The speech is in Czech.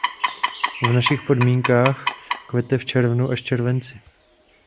V našich podmínkách kvete v červnu až červenci.